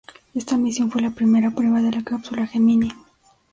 Esta misión fue la primera prueba de la cápsula Gemini.